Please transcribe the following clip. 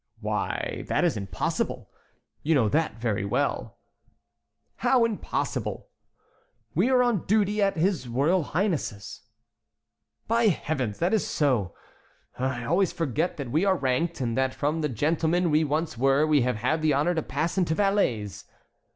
"Why, that is impossible! You know that very well." "How impossible?" "We are on duty at his royal highness's." "By Heavens, that is so; I always forget that we are ranked, and that from the gentlemen we once were we have had the honor to pass into valets."